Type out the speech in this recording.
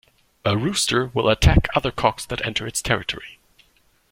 A rooster will attack other cocks that enter its territory.